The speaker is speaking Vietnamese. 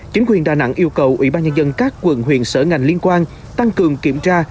chính quyền đà nẵng yêu cầu ủy ban nhân dân các quận huyện sở ngành liên quan tăng cường kiểm tra